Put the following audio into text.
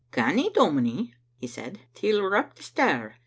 •'Canny, dominie," he said, "till we're up the stair.